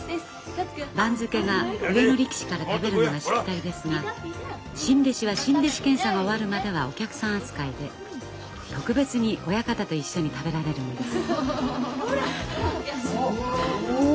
番付が上の力士から食べるのがしきたりですが新弟子は新弟子検査が終わるまではお客さん扱いで特別に親方と一緒に食べられるのです。